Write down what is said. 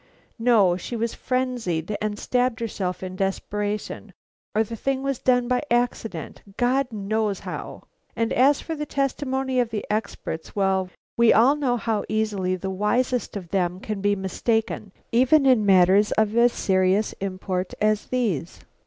No; she was frenzied and stabbed herself in desperation; or the thing was done by accident, God knows how! And as for the testimony of the experts we all know how easily the wisest of them can be mistaken even in matters of as serious import as these.